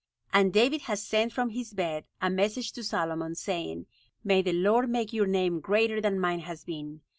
And David has sent from his bed a message to Solomon, saying, 'May the Lord make your name greater than mine has been!